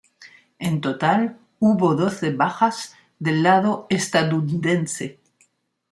En total, hubo doce bajas del lado estadounidense.